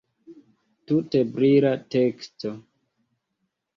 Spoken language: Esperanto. Tute brila teksto.